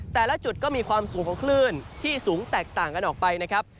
แต่ละจุดก็มีความสูงของคลื่นที่สูงแตกต่างกันออกไปนะครับ